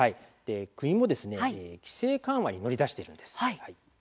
国も規制緩和に乗り出しています。